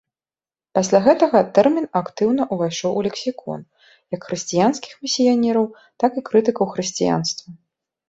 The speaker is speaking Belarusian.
Пасля гэтага тэрмін актыўна ўвайшоў у лексікон, як хрысціянскіх місіянераў, так і крытыкаў хрысціянства.